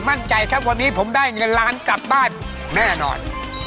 มั่นใจครับวันนี้ผมได้เงินล้านกลับบ้านแน่นอน